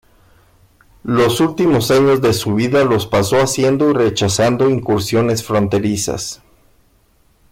Los últimos años de su vida los pasó haciendo y rechazando incursiones fronterizas.